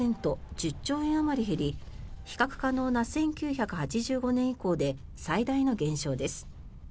１０兆円あまり減り比較可能な１９８５年以降で最大の減少です。